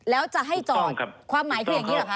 แล้วจะให้จอดความหมายคืออย่างนี้หรอคะ